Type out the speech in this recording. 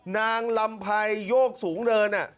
นางลำไพโยกสูงเนิน